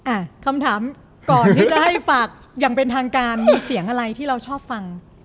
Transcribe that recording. อ่ะคำถามก่อนที่จะให้ฝากอย่างเป็นทางการมีเสียงอะไรที่เราชอบฟัง